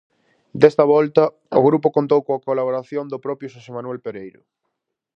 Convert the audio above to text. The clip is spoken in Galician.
Desta volta, o grupo contou coa colaboración do propio Xosé Manuel Pereiro.